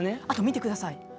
あと見てください。